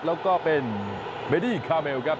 แล้วก็เป็นเบดี้คาเมลครับ